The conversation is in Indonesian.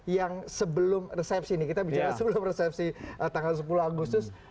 yang sebelum resepsi ini kita bicara sebelum resepsi tanggal sepuluh agustus